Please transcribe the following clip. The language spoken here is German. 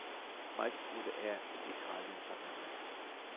Meist wurde er in Italien verwendet.